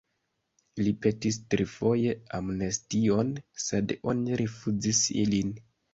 Li petis trifoje amnestion, sed oni rifuzis ilin.